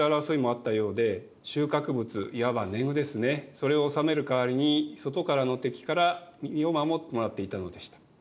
それを納める代わりに外からの敵から身を守ってもらっていたのでした。